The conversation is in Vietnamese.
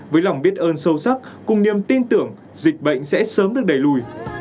với lòng biết ơn sâu sắc cùng niềm tin tưởng dịch bệnh sẽ sớm được đẩy lùi